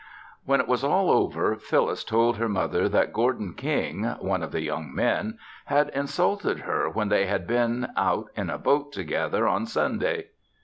When it was all over, Phyllis told her mother that Gordon King one of the young men had insulted her when they had been out in a boat together on Sunday.